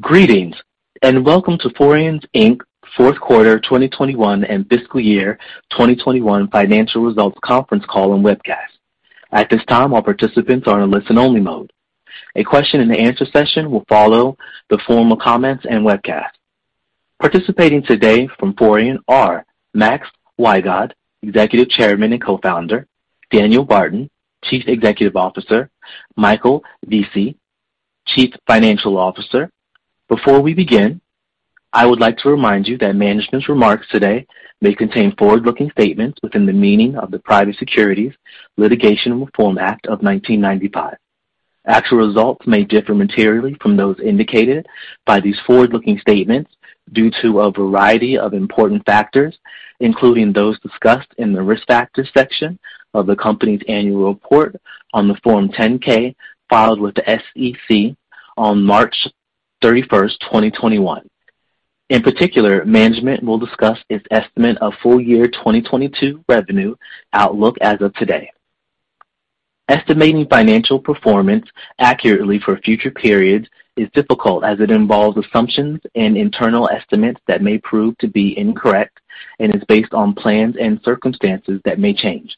Greetings, and welcome to Forian Inc.'s fourth quarter 2021 and fiscal year 2021 financial results conference call and webcast. At this time, all participants are in listen-only mode. A question and answer session will follow the formal comments and webcast. Participating today from Forian are Max Wygod, Executive Chairman and Co-founder, Daniel Barton, Chief Executive Officer, Michael Vesey, Chief Financial Officer. Before we begin, I would like to remind you that management's remarks today may contain forward-looking statements within the meaning of the Private Securities Litigation Reform Act of 1995. Actual results may differ materially from those indicated by these forward-looking statements due to a variety of important factors, including those discussed in the risk factors section of the company's annual report on Form 10-K filed with the SEC on March 31st, 2021. In particular, management will discuss its estimate of full year 2022 revenue outlook as of today. Estimating financial performance accurately for future periods is difficult, as it involves assumptions and internal estimates that may prove to be incorrect and is based on plans and circumstances that may change.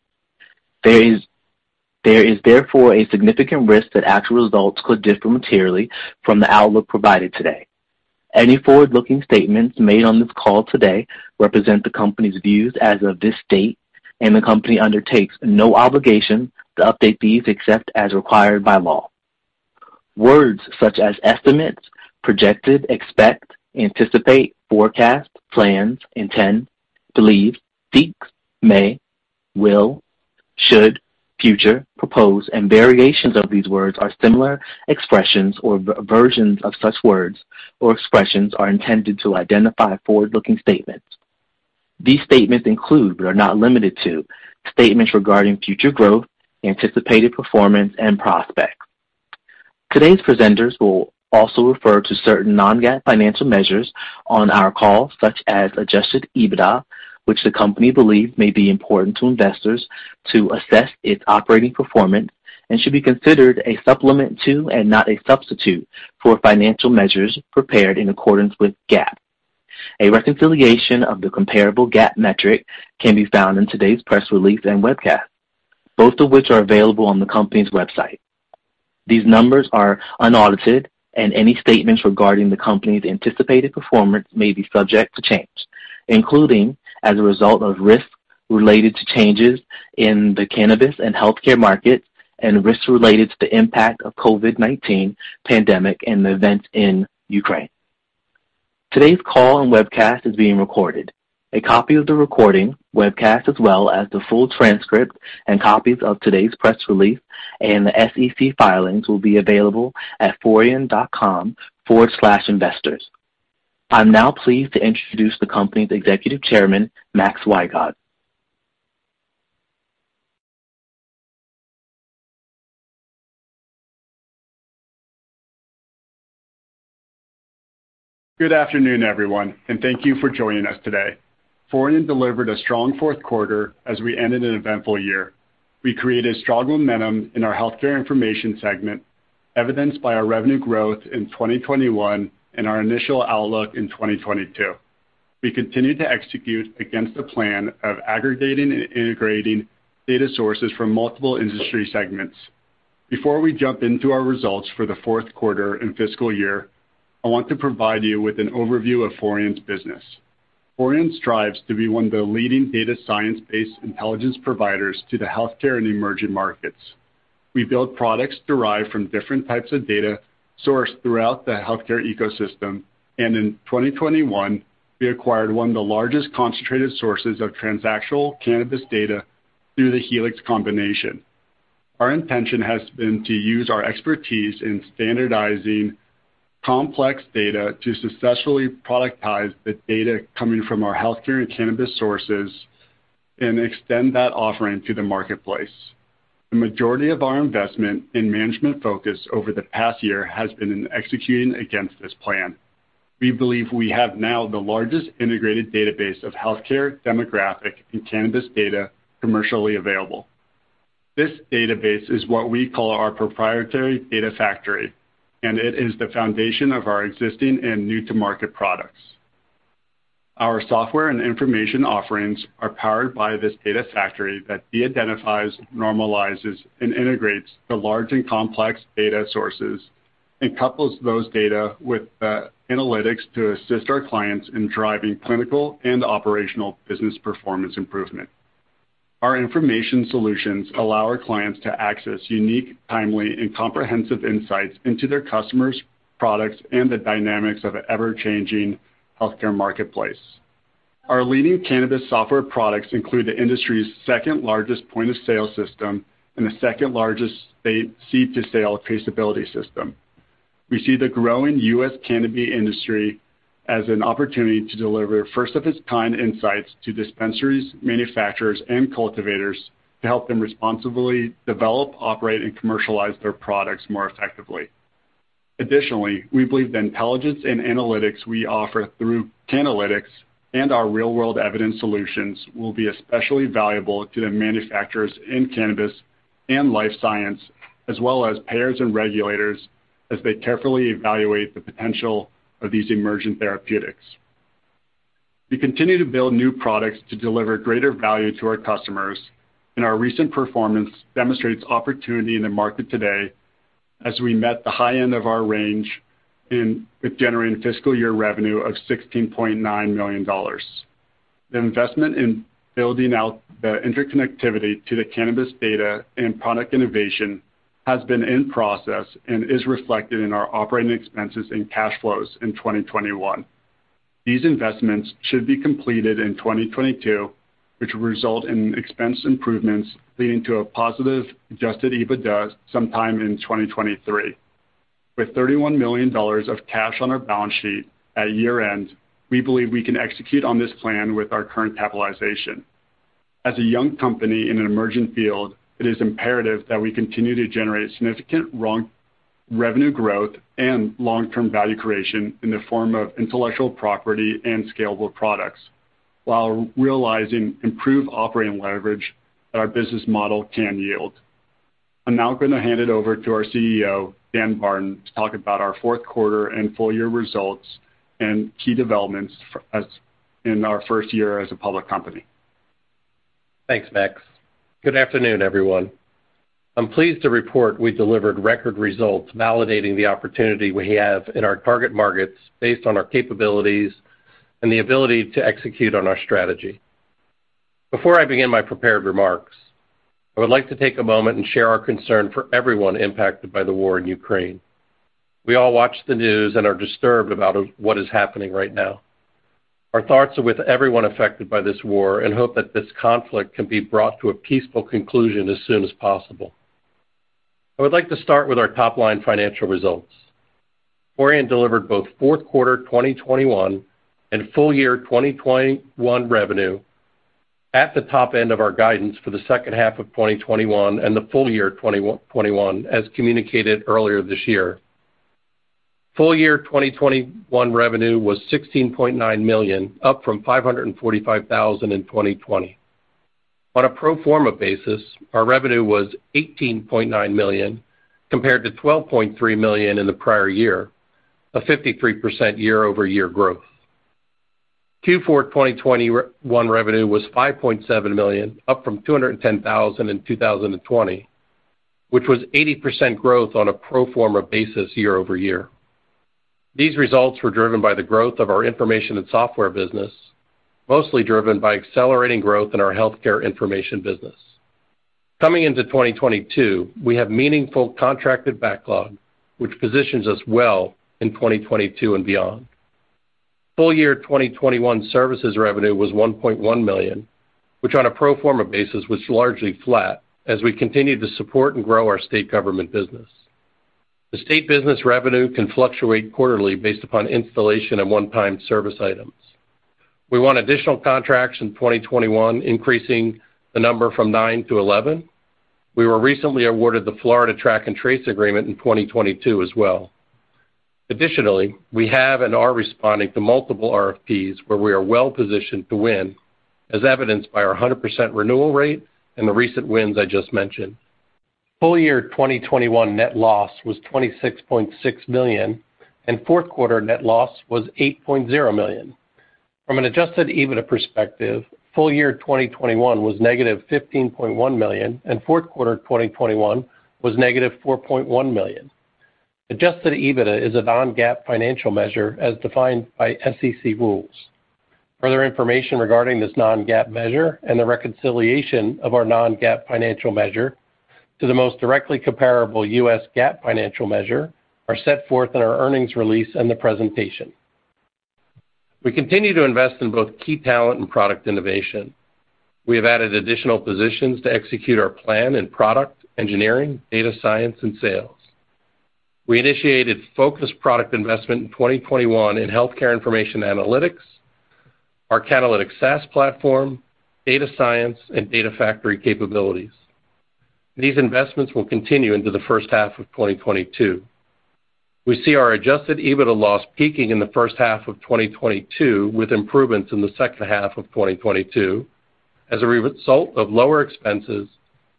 There is therefore a significant risk that actual results could differ materially from the outlook provided today. Any forward-looking statements made on this call today represent the company's views as of this date, and the company undertakes no obligation to update these except as required by law. Words such as estimates, projected, expect, anticipate, forecast, plans, intend, believe, seeks, may, will, should, future, propose, and variations of these words or similar expressions or versions of such words or expressions are intended to identify forward-looking statements. These statements include, but are not limited to, statements regarding future growth, anticipated performance, and prospects. Today's presenters will also refer to certain non-GAAP financial measures on our call, such as adjusted EBITDA, which the company believes may be important to investors to assess its operating performance and should be considered a supplement to and not a substitute for financial measures prepared in accordance with GAAP. A reconciliation of the comparable GAAP metric can be found in today's press release and webcast, both of which are available on the company's website. These numbers are unaudited, and any statements regarding the company's anticipated performance may be subject to change, including as a result of risks related to changes in the cannabis and healthcare markets and risks related to the impact of COVID-19 pandemic and the events in Ukraine. Today's call and webcast is being recorded. A copy of the recording, webcast, as well as the full transcript and copies of today's press release and the SEC filings will be available at forian.com/investors. I'm now pleased to introduce the company's Executive Chairman, Max Wygod. Good afternoon, everyone, and thank you for joining us today. Forian delivered a strong fourth quarter as we ended an eventful year. We created strong momentum in our healthcare information segment, evidenced by our revenue growth in 2021 and our initial outlook in 2022. We continued to execute against the plan of aggregating and integrating data sources from multiple industry segments. Before we jump into our results for the fourth quarter and fiscal year, I want to provide you with an overview of Forian's business. Forian strives to be one of the leading data science-based intelligence providers to the healthcare and emerging markets. We build products derived from different types of data sourced throughout the healthcare ecosystem, and in 2021, we acquired one of the largest concentrated sources of transactional cannabis data through the Helix combination. Our intention has been to use our expertise in standardizing complex data to successfully productize the data coming from our healthcare and cannabis sources and extend that offering to the marketplace. The majority of our investment and management focus over the past year has been in executing against this plan. We believe we have now the largest integrated database of healthcare demographic and cannabis data commercially available. This database is what we call our proprietary data factory, and it is the foundation of our existing and new-to-market products. Our software and information offerings are powered by this data factory that de-identifies, normalizes, and integrates the large and complex data sources and couples those data with analytics to assist our clients in driving clinical and operational business performance improvement. Our information solutions allow our clients to access unique, timely, and comprehensive insights into their customers, products, and the dynamics of an ever-changing healthcare marketplace. Our leading cannabis software products include the industry's second-largest point-of-sale system and the second-largest state seed-to-sale traceability system. We see the growing U.S. cannabis industry as an opportunity to deliver first-of-its-kind insights to dispensaries, manufacturers, and cultivators to help them responsibly develop, operate, and commercialize their products more effectively. Additionally, we believe the intelligence and analytics we offer through Cannalytics and our real-world evidence solutions will be especially valuable to the manufacturers in cannabis and life sciences, as well as payers and regulators as they carefully evaluate the potential of these emerging therapeutics. We continue to build new products to deliver greater value to our customers, and our recent performance demonstrates opportunity in the market today as we met the high end of our range in generating fiscal year revenue of $16.9 million. The investment in building out the interconnectivity to the cannabis data and product innovation has been in process and is reflected in our operating expenses and cash flows in 2021. These investments should be completed in 2022, which will result in expense improvements leading to a positive adjusted EBITDA sometime in 2023. With $31 million of cash on our balance sheet at year-end, we believe we can execute on this plan with our current capitalization. As a young company in an emerging field, it is imperative that we continue to generate significant revenue growth and long-term value creation in the form of intellectual property and scalable products while realizing improved operating leverage that our business model can yield. I'm now going to hand it over to our CEO, Dan Barton, to talk about our fourth quarter and full year results and key developments in our first year as a public company. Thanks, Max. Good afternoon, everyone. I'm pleased to report we delivered record results validating the opportunity we have in our target markets based on our capabilities and the ability to execute on our strategy. Before I begin my prepared remarks, I would like to take a moment and share our concern for everyone impacted by the war in Ukraine. We all watch the news and are disturbed about what is happening right now. Our thoughts are with everyone affected by this war and hope that this conflict can be brought to a peaceful conclusion as soon as possible. I would like to start with our top-line financial results. Forian delivered both fourth quarter 2021 and full year 2021 revenue at the top end of our guidance for the second half of 2021 and the full year 2021 as communicated earlier this year. Full year 2021 revenue was $16.9 million, up from $545,000 in 2020. On a pro forma basis, our revenue was $18.9 million compared to $12.3 million in the prior year, a 53% year-over-year growth. Q4 2021 revenue was $5.7 million, up from $210,000 in 2020, which was 80% growth on a pro forma basis year-over-year. These results were driven by the growth of our information and software business, mostly driven by accelerating growth in our healthcare information business. Coming into 2022, we have meaningful contracted backlog, which positions us well in 2022 and beyond. Full year 2021 services revenue was $1.1 million, which on a pro forma basis was largely flat as we continued to support and grow our state government business. The state business revenue can fluctuate quarterly based upon installation and one-time service items. We won additional contracts in 2021, increasing the number from nine to 11. We were recently awarded the Florida track and trace agreement in 2022 as well. Additionally, we have and are responding to multiple RFPs where we are well-positioned to win, as evidenced by our 100% renewal rate and the recent wins I just mentioned. Full year 2021 net loss was $26.6 million and fourth quarter net loss was $8.0 million. From an adjusted EBITDA perspective, full year 2021 was -$15.1 million and fourth quarter 2021 was -$4.1 million. Adjusted EBITDA is a non-GAAP financial measure as defined by SEC rules. Further information regarding this non-GAAP measure and the reconciliation of our non-GAAP financial measure to the most directly comparable U.S. GAAP financial measure are set forth in our earnings release and the presentation. We continue to invest in both key talent and product innovation. We have added additional positions to execute our plan in product, engineering, data science, and sales. We initiated focused product investment in 2021 in healthcare information analytics, our Cannalytics SaaS platform, data science, and data factory capabilities. These investments will continue into the first half of 2022. We see our adjusted EBITDA loss peaking in the first half of 2022, with improvements in the second half of 2022 as a result of lower expenses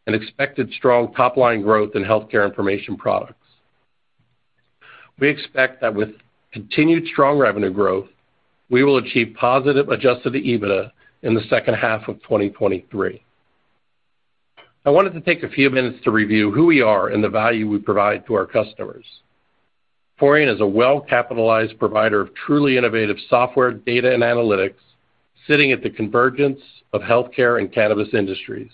and expected strong top-line growth in healthcare information products. We expect that with continued strong revenue growth, we will achieve positive adjusted EBITDA in the second half of 2023. I wanted to take a few minutes to review who we are and the value we provide to our customers. Forian is a well-capitalized provider of truly innovative software, data, and analytics sitting at the convergence of healthcare and cannabis industries.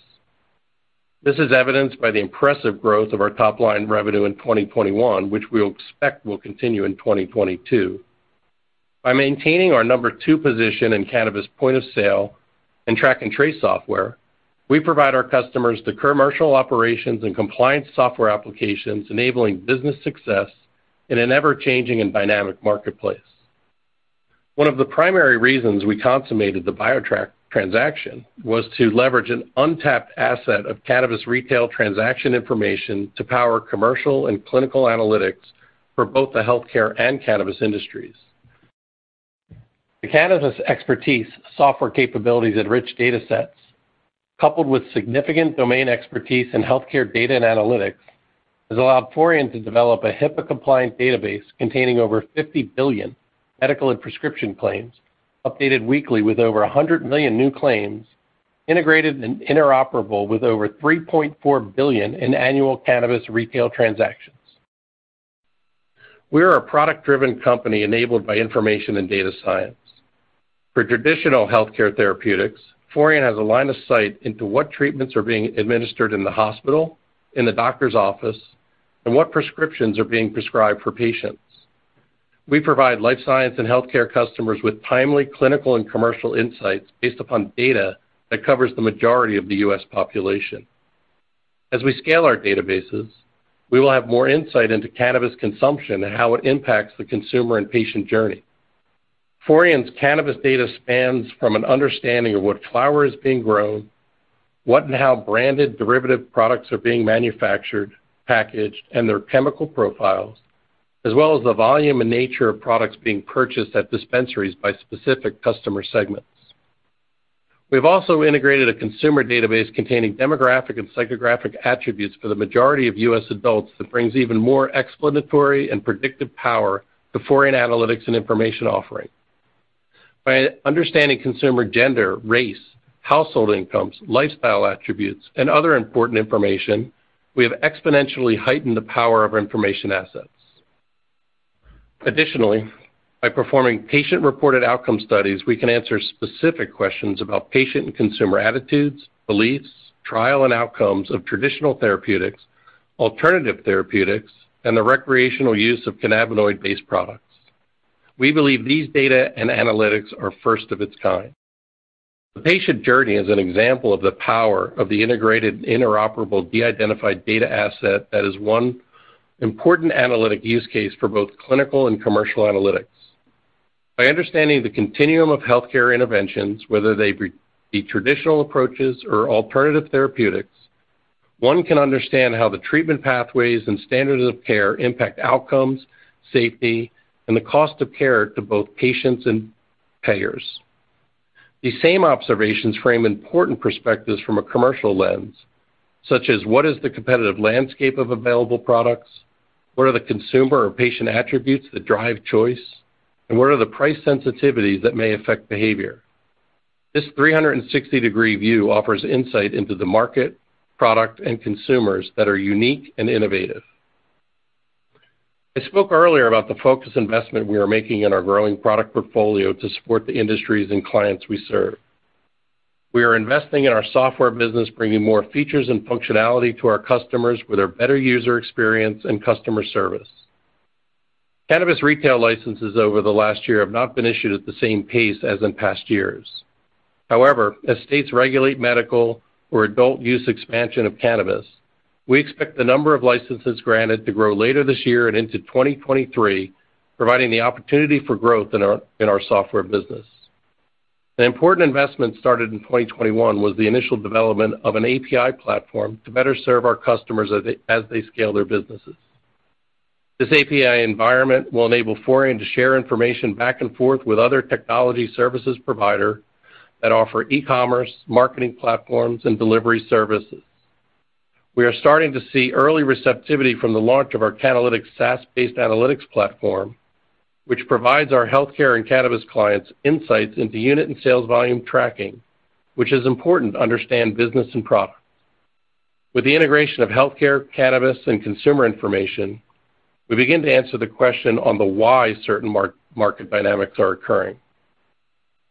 This is evidenced by the impressive growth of our top-line revenue in 2021, which we expect will continue in 2022. By maintaining our number two position in cannabis point-of-sale and track and trace software, we provide our customers the commercial operations and compliance software applications enabling business success in an ever-changing and dynamic marketplace. One of the primary reasons we consummated the BioTrack transaction was to leverage an untapped asset of cannabis retail transaction information to power commercial and clinical analytics for both the healthcare and cannabis industries. The cannabis expertise, software capabilities, and rich data sets, coupled with significant domain expertise in healthcare data and analytics, has allowed Forian to develop a HIPAA-compliant database containing over 50 billion medical and prescription claims, updated weekly with over 100 million new claims, integrated and interoperable with over 3.4 billion in annual cannabis retail transactions. We are a product-driven company enabled by information and data science. For traditional healthcare therapeutics, Forian has a line of sight into what treatments are being administered in the hospital, in the doctor's office, and what prescriptions are being prescribed for patients. We provide life science and healthcare customers with timely clinical and commercial insights based upon data that covers the majority of the U.S. population. As we scale our databases, we will have more insight into cannabis consumption and how it impacts the consumer and patient journey. Forian's cannabis data spans from an understanding of what flower is being grown, what and how branded derivative products are being manufactured, packaged, and their chemical profiles, as well as the volume and nature of products being purchased at dispensaries by specific customer segments. We've also integrated a consumer database containing demographic and psychographic attributes for the majority of U.S. adults that brings even more explanatory and predictive power to Forian analytics and information offering. By understanding consumer gender, race, household incomes, lifestyle attributes, and other important information, we have exponentially heightened the power of our information assets. Additionally, by performing patient-reported outcome studies, we can answer specific questions about patient and consumer attitudes, beliefs, trial and outcomes of traditional therapeutics, alternative therapeutics, and the recreational use of cannabinoid-based products. We believe these data and analytics are first of its kind. The patient journey is an example of the power of the integrated, interoperable, de-identified data asset that is one important analytic use case for both clinical and commercial analytics. By understanding the continuum of healthcare interventions, whether they be traditional approaches or alternative therapeutics, one can understand how the treatment pathways and standards of care impact outcomes, safety, and the cost of care to both patients and payers. These same observations frame important perspectives from a commercial lens, such as what is the competitive landscape of available products? What are the consumer or patient attributes that drive choice? And what are the price sensitivities that may affect behavior? This 360-degree view offers insight into the market, product, and consumers that are unique and innovative. I spoke earlier about the focused investment we are making in our growing product portfolio to support the industries and clients we serve. We are investing in our software business, bringing more features and functionality to our customers with a better user experience and customer service. Cannabis retail licenses over the last year have not been issued at the same pace as in past years. However, as states regulate medical or adult use expansion of cannabis, we expect the number of licenses granted to grow later this year and into 2023, providing the opportunity for growth in our software business. An important investment started in 2021 was the initial development of an API platform to better serve our customers as they scale their businesses. This API environment will enable Forian to share information back and forth with other technology services provider that offer e-commerce, marketing platforms, and delivery services. We are starting to see early receptivity from the launch of our Cannalytics SaaS-based analytics platform, which provides our healthcare and cannabis clients insights into unit and sales volume tracking, which is important to understand business and products. With the integration of healthcare, cannabis, and consumer information, we begin to answer the question on the why certain market dynamics are occurring.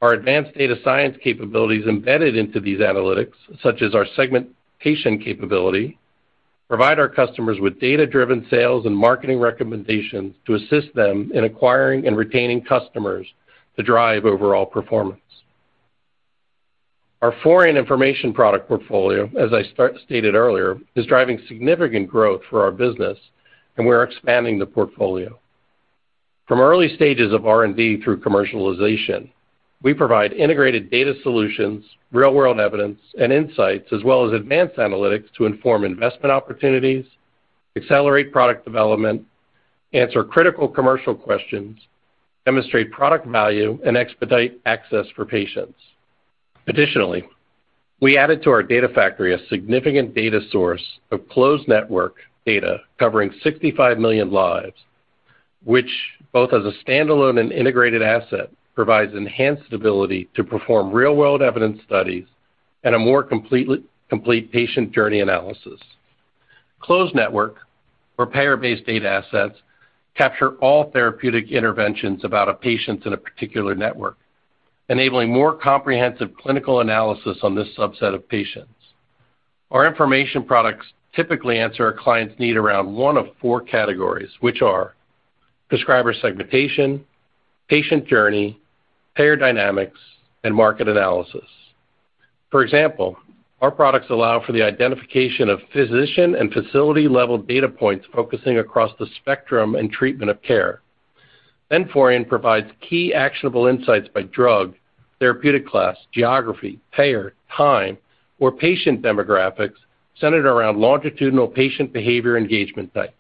Our advanced data science capabilities embedded into these analytics, such as our segmentation capability, provide our customers with data-driven sales and marketing recommendations to assist them in acquiring and retaining customers to drive overall performance. Our Forian information product portfolio, as I stated earlier, is driving significant growth for our business, and we're expanding the portfolio. From early stages of R&D through commercialization, we provide integrated data solutions, real-world evidence, and insights, as well as advanced analytics to inform investment opportunities, accelerate product development, answer critical commercial questions, demonstrate product value, and expedite access for patients. Additionally, we added to our data factory a significant data source of closed network data covering 65 million lives, which both as a standalone and integrated asset, provides enhanced ability to perform real-world evidence studies and a more complete patient journey analysis. Closed network or payer-based data assets capture all therapeutic interventions about a patient in a particular network, enabling more comprehensive clinical analysis on this subset of patients. Our information products typically answer a client's need around one of four categories, which are prescriber segmentation, patient journey, payer dynamics, and market analysis. For example, our products allow for the identification of physician and facility-level data points focusing across the spectrum and treatment of care. Forian provides key actionable insights by drug, therapeutic class, geography, payer, time, or patient demographics centered around longitudinal patient behavior engagement types.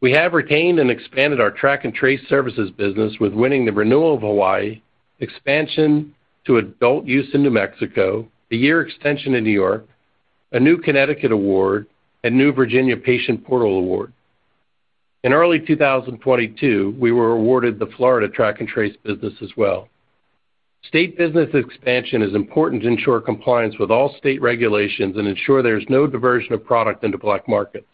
We have retained and expanded our track and trace services business with winning the renewal of Hawaii, expansion to adult use in New Mexico, a year extension in New York, a new Connecticut award, a new Virginia patient portal award. In early 2022, we were awarded the Florida track and trace business as well. State business expansion is important to ensure compliance with all state regulations and ensure there's no diversion of product into black markets.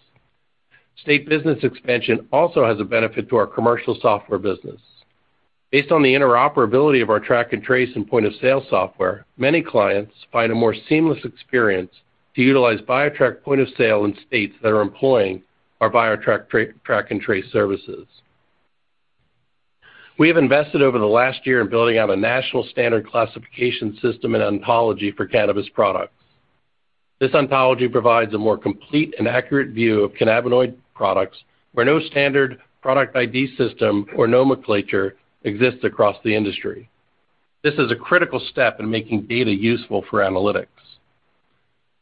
State business expansion also has a benefit to our commercial software business. Based on the interoperability of our track and trace and point-of-sale software, many clients find a more seamless experience to utilize BioTrack point-of-sale in states that are employing our BioTrack track and trace services. We have invested over the last year in building out a national standard classification system and ontology for cannabis products. This ontology provides a more complete and accurate view of cannabinoid products where no standard product ID system or nomenclature exists across the industry. This is a critical step in making data useful for analytics.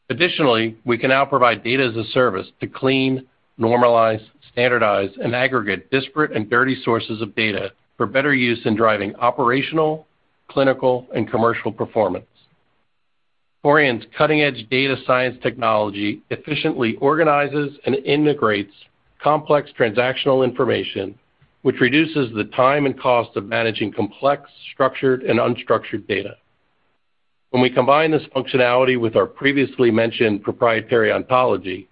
Additionally, we can now provide data as a service to clean, normalize, standardize, and aggregate disparate and dirty sources of data for better use in driving operational, clinical, and commercial performance. Forian's cutting-edge data science technology efficiently organizes and integrates complex transactional information, which reduces the time and cost of managing complex, structured, and unstructured data. When we combine this functionality with our previously mentioned proprietary ontology,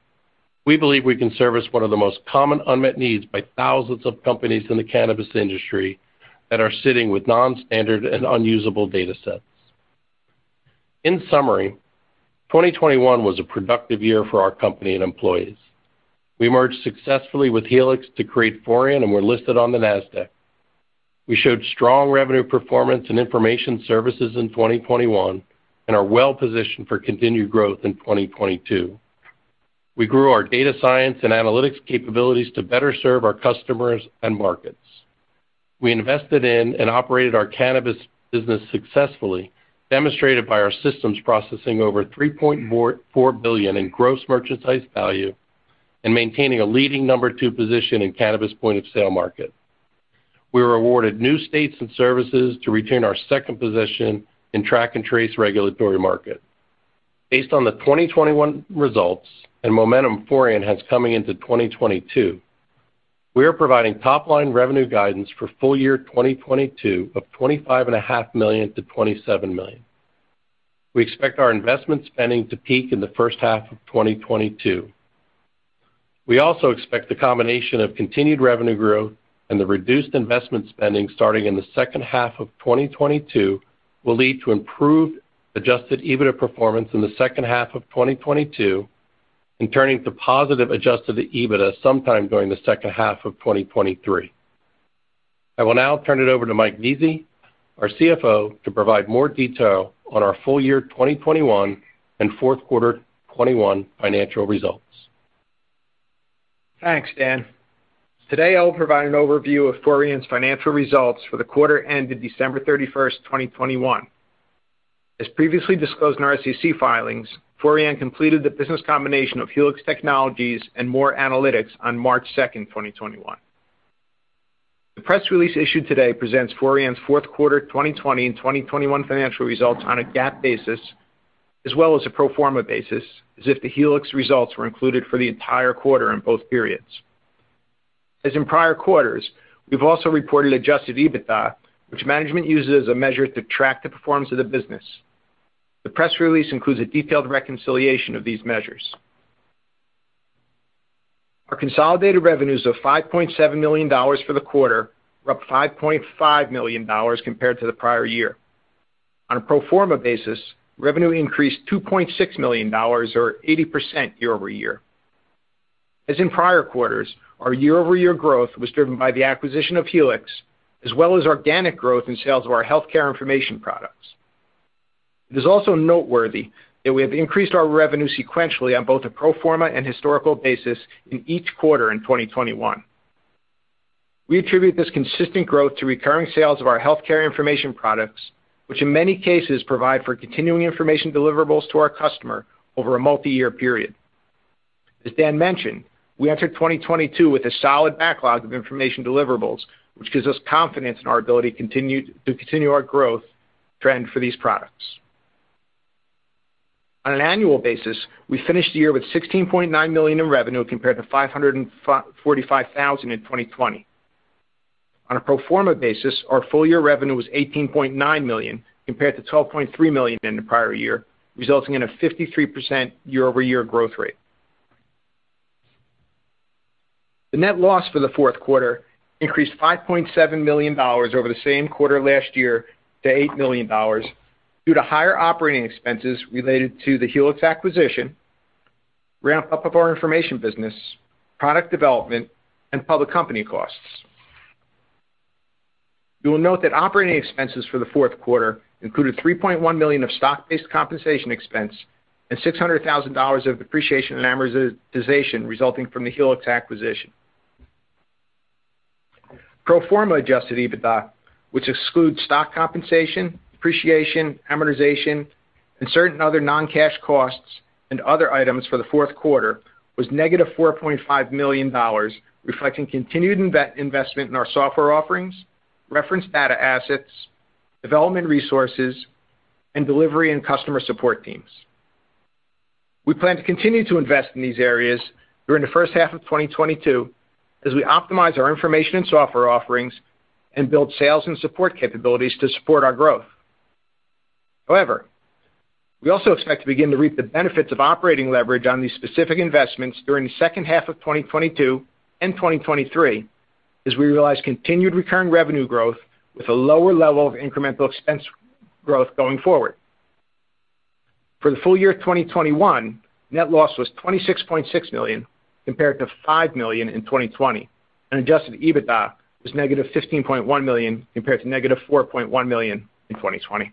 we believe we can service one of the most common unmet needs by thousands of companies in the cannabis industry that are sitting with non-standard and unusable datasets. In summary, 2021 was a productive year for our company and employees. We merged successfully with Helix to create Forian and were listed on the Nasdaq. We showed strong revenue performance in information services in 2021 and are well-positioned for continued growth in 2022. We grew our data science and analytics capabilities to better serve our customers and markets. We invested in and operated our cannabis business successfully, demonstrated by our systems processing over $3.4 billion in gross merchandise value and maintaining a leading number two position in cannabis point-of-sale market. We were awarded new states and services to retain our second position in track and trace regulatory market. Based on the 2021 results and momentum Forian has coming into 2022, we are providing top-line revenue guidance for full year 2022 of $25.5 million-$27 million. We expect our investment spending to peak in the first half of 2022. We also expect the combination of continued revenue growth and the reduced investment spending starting in the second half of 2022 will lead to improved adjusted EBITDA performance in the second half of 2022 and turning to positive adjusted EBITDA sometime during the second half of 2023. I will now turn it over to Mike Vesey, our CFO, to provide more detail on our full year 2021 and fourth quarter 2021 financial results. Thanks, Dan. Today, I will provide an overview of Forian's financial results for the quarter ended December 31st, 2021. As previously disclosed in our SEC filings, Forian completed the business combination of Helix Technologies and MOR Analytics on March 2nd, 2021. The press release issued today presents Forian's fourth quarter 2020 and 2021 financial results on a GAAP basis as well as a pro forma basis, as if the Helix results were included for the entire quarter in both periods. As in prior quarters, we've also reported adjusted EBITDA, which management uses as a measure to track the performance of the business. The press release includes a detailed reconciliation of these measures. Our consolidated revenues of $5.7 million for the quarter were up $5.5 million compared to the prior year. On a pro forma basis, revenue increased $2.6 million or 80% year-over-year. In prior quarters, our year-over-year growth was driven by the acquisition of Helix as well as organic growth in sales of our healthcare information products. It is also noteworthy that we have increased our revenue sequentially on both a pro forma and historical basis in each quarter in 2021. We attribute this consistent growth to recurring sales of our healthcare information products, which in many cases provide for continuing information deliverables to our customer over a multi-year period. As Dan mentioned, we entered 2022 with a solid backlog of information deliverables, which gives us confidence in our ability to continue our growth trend for these products. On an annual basis, we finished the year with $16.9 million in revenue compared to $545,000 in 2020. On a pro forma basis, our full year revenue was $18.9 million compared to $12.3 million in the prior year, resulting in a 53% year-over-year growth rate. The net loss for the fourth quarter increased $5.7 million over the same quarter last year to $8 million due to higher operating expenses related to the Helix acquisition, ramp up of our information business, product development, and public company costs. You will note that operating expenses for the fourth quarter included $3.1 million of stock-based compensation expense and $600,000 of depreciation and amortization resulting from the Helix acquisition. Pro forma adjusted EBITDA, which excludes stock compensation, depreciation, amortization, and certain other non-cash costs and other items for the fourth quarter, was -$4.5 million, reflecting continued investment in our software offerings, reference data assets, development resources, and delivery and customer support teams. We plan to continue to invest in these areas during the first half of 2022 as we optimize our information and software offerings and build sales and support capabilities to support our growth. However, we also expect to begin to reap the benefits of operating leverage on these specific investments during the second half of 2022 and 2023 as we realize continued recurring revenue growth with a lower level of incremental expense growth going forward. For the full year 2021, net loss was $26.6 million compared to $5 million in 2020, and adjusted EBITDA was -$15.1 million compared to -$4.1 million in 2020.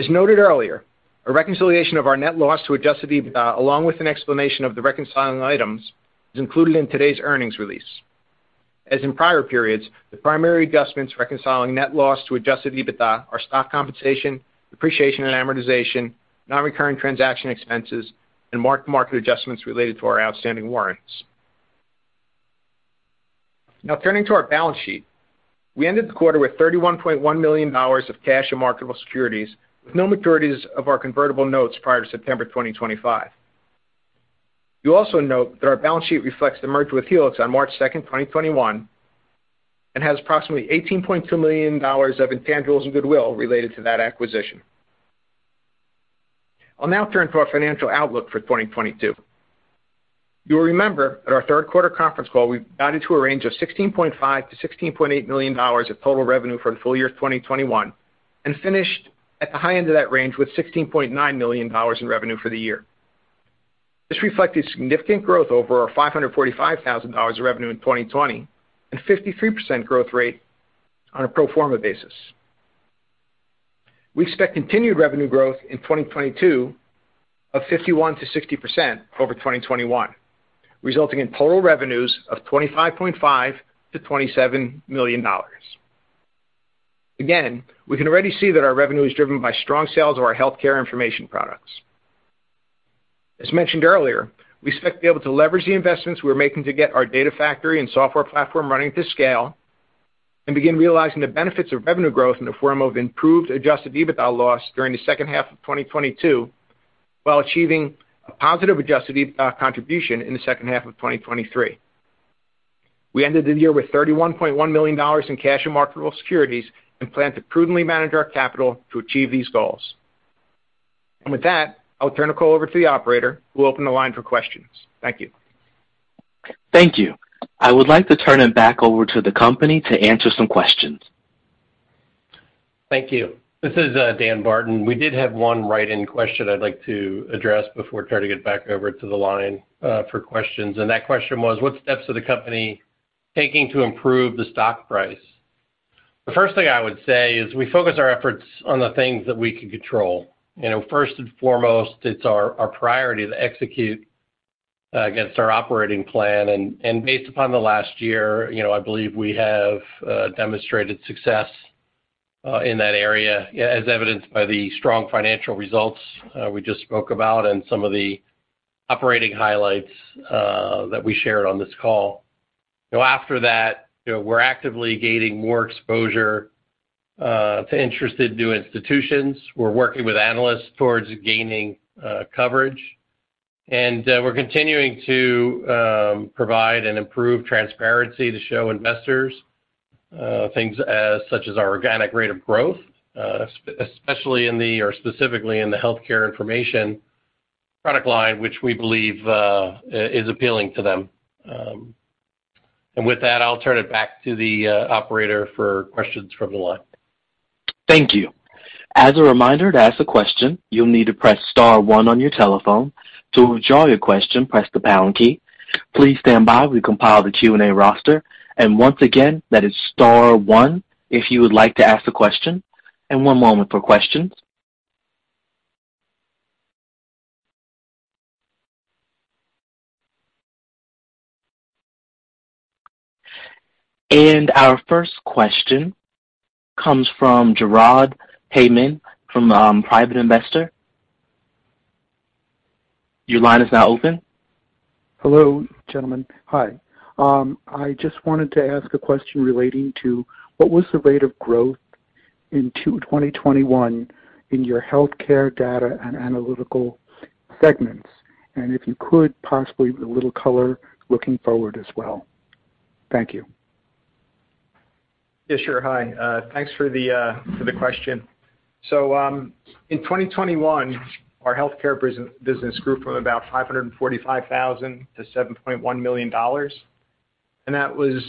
As noted earlier, a reconciliation of our net loss to adjusted EBITDA, along with an explanation of the reconciling items, is included in today's earnings release. As in prior periods, the primary adjustments reconciling net loss to adjusted EBITDA are stock compensation, depreciation and amortization, non-recurring transaction expenses, and mark-to-market adjustments related to our outstanding warrants. Now turning to our balance sheet. We ended the quarter with $31.1 million of cash and marketable securities, with no maturities of our convertible notes prior to September 2025. You'll also note that our balance sheet reflects the merger with Helix on March 2nd, 2021, and has approximately $18.2 million of intangibles and goodwill related to that acquisition. I'll now turn to our financial outlook for 2022. You'll remember at our third quarter conference call, we guided to a range of $16.5 million-$16.8 million of total revenue for the full year 2021 and finished at the high end of that range with $16.9 million in revenue for the year. This reflected significant growth over our $545,000 of revenue in 2020 and 53% growth rate on a pro forma basis. We expect continued revenue growth in 2022 of 51%-60% over 2021, resulting in total revenues of $25.5 million-$27 million. Again, we can already see that our revenue is driven by strong sales of our healthcare information products. As mentioned earlier, we expect to be able to leverage the investments we're making to get our data factory and software platform running to scale and begin realizing the benefits of revenue growth in the form of improved adjusted EBITDA loss during the second half of 2022, while achieving a positive adjusted EBITDA contribution in the second half of 2023. We ended the year with $31.1 million in cash and marketable securities and plan to prudently manage our capital to achieve these goals. With that, I'll turn the call over to the operator, who will open the line for questions. Thank you. Thank you. I would like to turn it back over to the company to answer some questions. Thank you. This is Dan Barton. We did have one write-in question I'd like to address before turning it back over to the line for questions. That question was, what steps are the company taking to improve the stock price? The first thing I would say is we focus our efforts on the things that we can control. You know, first and foremost, it's our priority to execute against our operating plan. Based upon the last year, you know, I believe we have demonstrated success in that area, as evidenced by the strong financial results we just spoke about and some of the operating highlights that we shared on this call. After that, you know, we're actively gaining more exposure to interested new institutions. We're working with analysts towards gaining coverage. We're continuing to provide and improve transparency to show investors things such as our organic rate of growth, specifically in the healthcare information product line, which we believe is appealing to them. With that, I'll turn it back to the operator for questions from the line. Thank you. As a reminder, to ask a question, you'll need to press star one on your telephone. To withdraw your question, press the pound key. Please stand by. We compile the Q&A roster. Once again, that is star one if you would like to ask a question. One moment for questions. Our first question comes from Gerard Heymann from Private Investor. Your line is now open. Hello, gentlemen. Hi. I just wanted to ask a question relating to what was the rate of growth in 2021 in your healthcare data and analytics segments? If you could, possibly with a little color looking forward as well. Thank you. Yeah, sure. Hi, thanks for the question. So, in 2021, our healthcare business grew from about $545,000 to $7.1 million. That was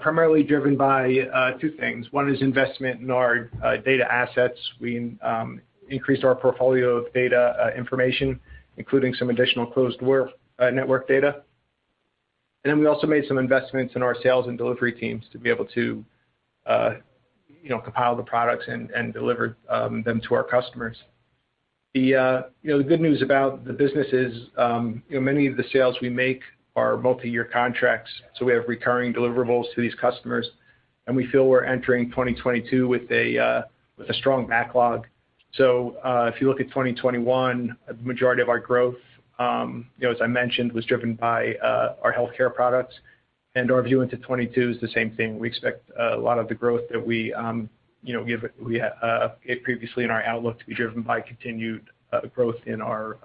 primarily driven by two things. One is investment in our data assets. We increased our portfolio of data information, including some additional closed network data. Then we also made some investments in our sales and delivery teams to be able to, you know, compile the products and deliver them to our customers. The good news about the business is, you know, many of the sales we make are multiyear contracts, so we have recurring deliverables to these customers, and we feel we're entering 2022 with a strong backlog. If you look at 2021, the majority of our growth, you know, as I mentioned, was driven by our healthcare products. Our view into 2022 is the same thing. We expect a lot of the growth that we gave previously in our outlook to be driven by continued growth in our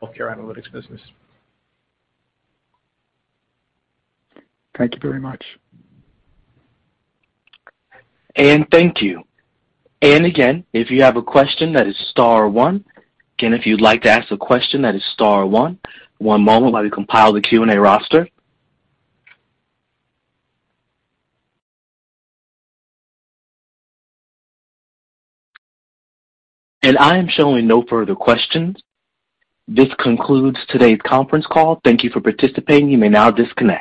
healthcare analytics business. Thank you very much. Thank you. Again, if you have a question, that is star one. Again, if you'd like to ask a question, that is star one. One moment while we compile the Q&A roster. I am showing no further questions. This concludes today's conference call. Thank you for participating. You may now disconnect.